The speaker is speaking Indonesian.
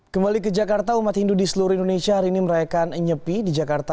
kembali ke jakarta umat hindu di seluruh indonesia hari ini merayakan nyepi di jakarta